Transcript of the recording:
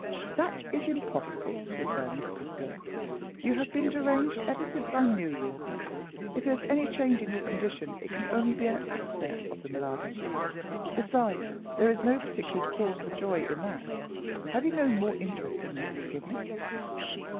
"That is impossible," returned Miss Stivergill, "You have been deranged ever since I knew you. If there is any change in your condition it can only be an access of the malady. Besides, there is no particular cause for joy in that. Have you no more interesting news to give me?"